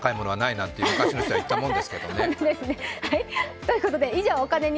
タダより高いものはないなんて昔の人は言ったものですけどね。